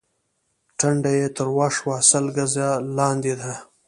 ټنډه يې تروه شوه: سل ګزه لاندې دي.